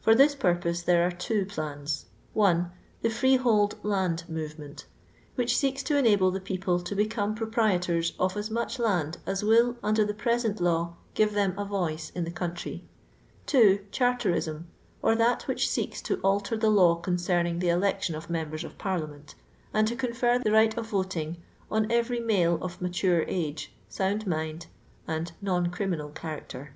For this purpose there are two plans :— 1. "The freehold land movement," which seeks to enable the people to become pro prietors of as much land as will, under the present hiw, give them "a voice in the country. 2. Chartism, or that which seeks to alter the law concerning the election of members of Parliament, and to confer the right of voting on cTery male of mature age, sound mind, and non criminal character.